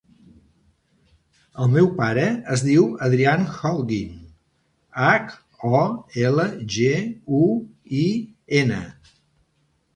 El meu pare es diu Adrián Holguin: hac, o, ela, ge, u, i, ena.